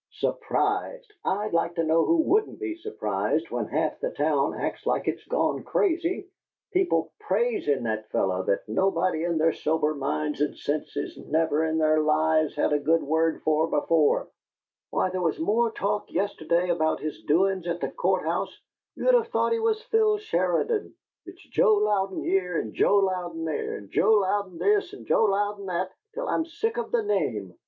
"Surprised! I'd like to know who wouldn't be surprised when half the town acts like it's gone crazy. People PRAISIN' that fellow, that nobody in their sober minds and senses never in their lives had a good word for before! Why, there was more talk yesterday about his doin's at the Court house you'd of thought he was Phil Sheridan! It's 'Joe Louden' here and 'Joe Louden' there, and 'Joe Louden' this and 'Joe Louden' that, till I'm sick of the name!"